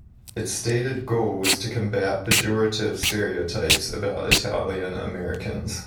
Its stated goal was to combat pejorative stereotypes about Italian-Americans.